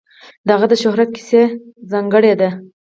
د هغه د شهرت کیسه ځانګړې ده.